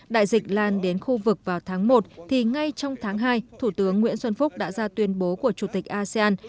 đại dịch lan đến khu vực vào tháng một thì ngay trong tháng hai thủ tướng nguyễn xuân phúc đã ra tuyên bố của chủ tịch asean